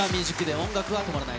音楽は止まらない。